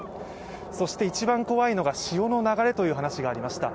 そして一番怖いのは潮の流れという話がありました。